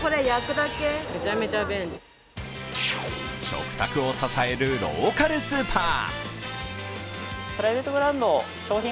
食卓を支えるローカルスーパー。